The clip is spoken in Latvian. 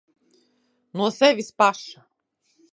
No sevis paša.